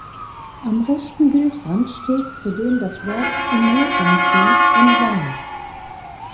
Am rechten Bildrand steht zudem das Wort "Emergency" in Weiß.